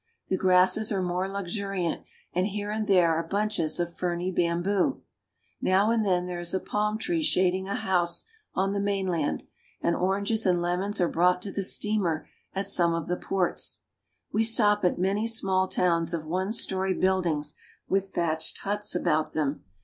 The grasses are more luxuriant, and here and there are bunches of ferny bamboo. Now and then there is a palm tree shading a house on the mainland, and oranges and lemons are 2l6 URUGUAY. brought to the steamer at some of the ports. We stop at many small towns of one story buildings with thatched huts about them.